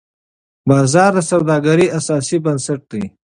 بازار د سوداګرۍ اساسي بنسټ دی.